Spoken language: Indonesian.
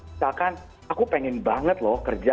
misalkan aku pengen banget loh kerja